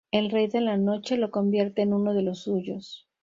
El Rey de la Noche lo convierte en uno de los suyos.